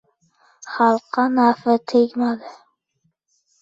Xalqqa nafi tegmadi.